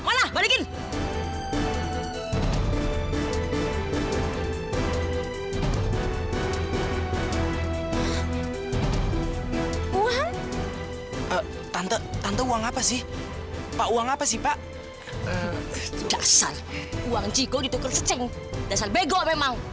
uang uang apa sih pak uang apa sih pak dasar uang cikgu di tukul seceng dasar bego memang